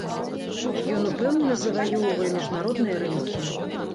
Ён упэўнена заваёўвае міжнародныя рынкі.